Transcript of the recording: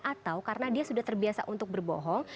atau karena dia sudah terbiasa untuk berbohong